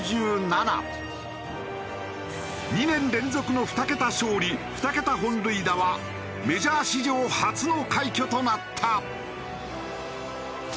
２年連続の２桁勝利２桁本塁打はメジャー史上初の快挙となった。